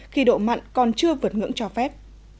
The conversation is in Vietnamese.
khi độ mặn còn chưa vượt ngưỡng cho phép